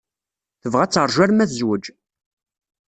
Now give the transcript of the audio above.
Tebɣa ad teṛju arma tezwej.